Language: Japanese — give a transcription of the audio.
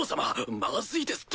まずいですって！